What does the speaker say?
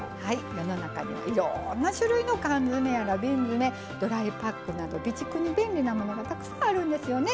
世の中にいろんな種類の缶詰めドライパックなど備蓄に便利なものがたくさんあるんですよね。